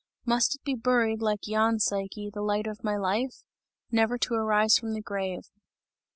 Must it be buried like yon Psyche, the light of my life? Never to arise from the grave!"